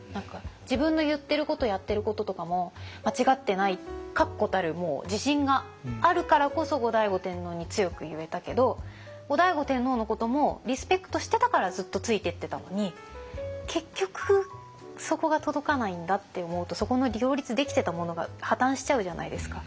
自分の言ってることやってることとかも間違ってない確固たる自信があるからこそ後醍醐天皇に強く言えたけど後醍醐天皇のこともリスペクトしてたからずっとついてってたのに結局そこが届かないんだって思うとそこの両立できてたものが破綻しちゃうじゃないですか。